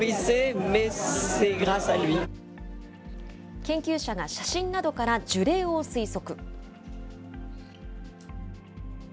研究者が写真などから樹齢を推測。